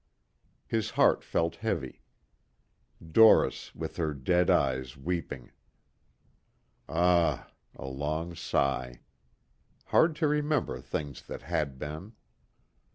His heart felt heavy. Doris with her dead eyes weeping. Ah, a long sigh. Hard to remember things that had been.